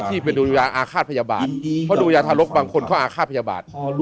ที่เป็นดวงวิญญาณอาฆาตพยาบาทเพราะดวงวิญญาณทารกบางคนเขาอาฆาตพยาบาท